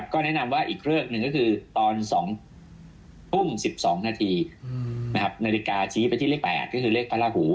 ก็แนะนำว่าอีกเลิกหนึ่งก็คือตอน๒ทุ่ม๑๒นาทีนาฬิกาชี้ไปที่เลข๘ก็คือเลขพระราหู